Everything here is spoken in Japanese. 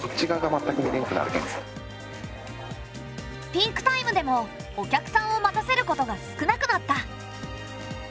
ピークタイムでもお客さんを待たせることが少なくなった。